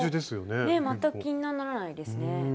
汚れも全く気にならないですね。